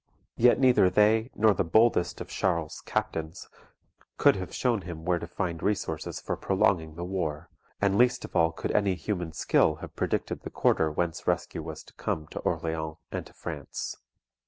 Yet neither they, nor the boldest of Charles's captains, could have shown him where to find resources for prolonging the war; and least of all could any human skill have predicted the quarter whence rescue was to come to Orleans and to France.